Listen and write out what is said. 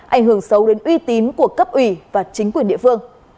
ảnh hưởng xấu đến uy tín của cấp ủy và chính quyền địa phương